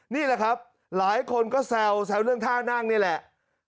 นี่แหละครับหลายคนก็แซวเรื่องท่านั่งนี่แหละ